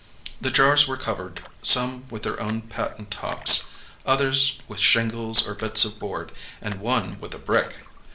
The jars were covered, some with their own patent tops, others with shingles or bits of board, and one with a brick.